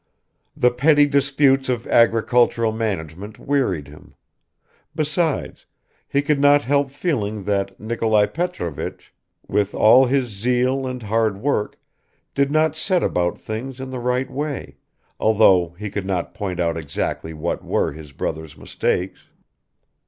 The petty disputes of agricultural management wearied him; besides, he could not help feeling that Nikolai Petrovich, with all his zeal and hard work, did not set about things in the right way, although he could not point out exactly what were his brother's mistakes.